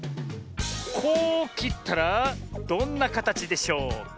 こうきったらどんなかたちでしょうか？